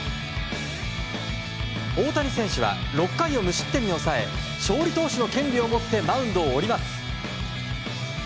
大谷選手は６回を無失点に抑え勝利投手の権利を持ってマウンドを降ります。